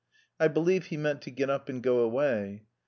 I believe he meant to get up and go away.